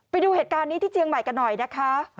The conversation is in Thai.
ไปดูเหตุการณ์นี้ที่เจียงใหม่กันหน่อยนะคะ